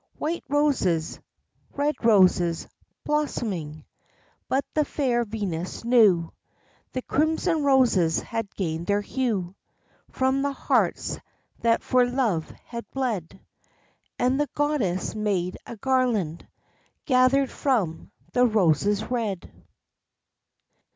White roses, red roses, blossoming: But the fair Venus knew The crimson roses had gained their hue From the hearts that for love had bled; And the goddess made a garland Gathered from the roses red.